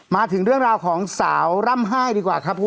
มาถึงเรื่องราวของสาวร่ำไห้ดีกว่าครับ